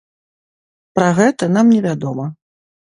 Пра гэта нам невядома.